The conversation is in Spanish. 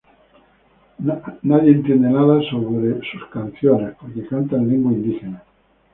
Nadie entiende nada acerca de sus canciones porque canta en lengua indígena.